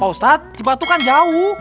ustadz cibatu kan jauh